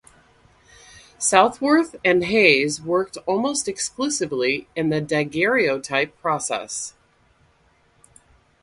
Southworth and Hawes worked almost exclusively in the daguerreotype process.